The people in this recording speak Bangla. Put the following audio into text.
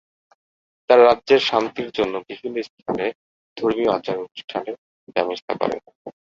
তার রাজ্যের শান্তির জন্য বিভিন্ন স্থানে ধর্মীয় আচার অনুষ্ঠানের ব্যবস্থা করেন।